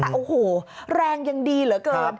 แต่โอ้โหแรงยังดีเหลือเกิน